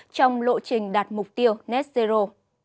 trong lộ trình đạt mục tiêu net zero